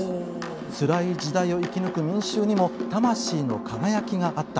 つらい時代を生き抜く民衆にも魂の輝きがあった。